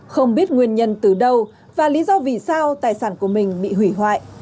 không biết nguyên nhân từ đâu và lý do vì sao tài sản của mình bị hủy hoại